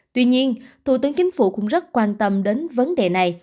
tuy nhiên thủ tướng chính phủ cũng rất quan tâm đến vấn đề này